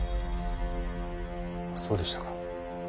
そうでしたか。